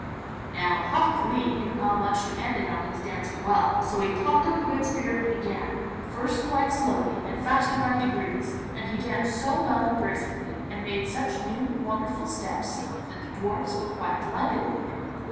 Now, Hok Lee knew how much depended on his dancing well, so he plucked up a good spirit and began, first quite slowly, and faster by degrees, and he danced so well and gracefully, and made such new and wonderful steps, that the dwarfs were quite delighted with him.